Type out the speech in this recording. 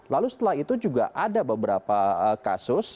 lalu setelah itu juga ada beberapa kasus